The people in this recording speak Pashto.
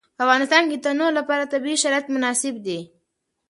په افغانستان کې د تنوع لپاره طبیعي شرایط مناسب دي.